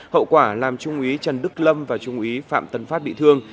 hậu quả làm trung úy trần đức lâm và trung úy phạm tấn phát bị thương